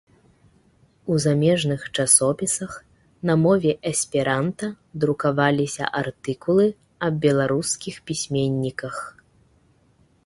У замежных часопісах на мове эсперанта друкаваліся артыкулы аб беларускіх пісьменніках